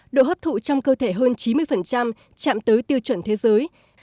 độ hấp thụ trong cơ thể hơn chín mươi chạm tới tiêu chuẩn thế giới